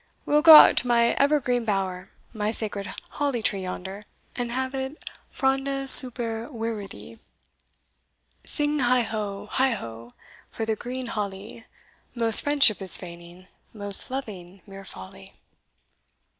We will go out to my ever green bower, my sacred holly tree yonder, and have it fronde super viridi. Sing heigh ho! heigh ho! for the green holly, Most friendship is feigning, most loving mere folly.